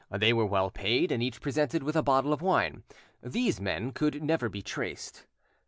They were well paid, and each presented with a bottle of wine. These men could never be traced.